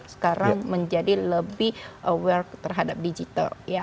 sekarang menjadi lebih aware terhadap digital